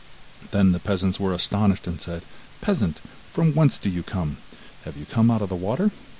Then the peasants were astonished, and said: 'Peasant, from whence do you come? Have you come out of the water?